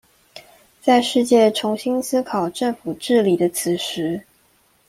在世界重新思考政府治理的此時